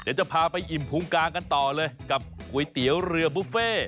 เดี๋ยวจะพาไปอิ่มพุงกลางกันต่อเลยกับก๋วยเตี๋ยวเรือบุฟเฟ่